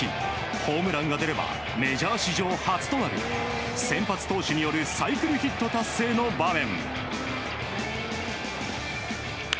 ホームランが出ればメジャー史上初となる先発投手によるサイクルヒット達成の場面。